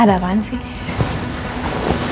ada apaan sih